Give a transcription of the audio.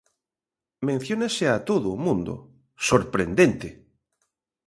Menciónase a todo o mundo, ¡sorprendente!